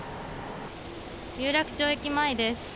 有楽町駅前です。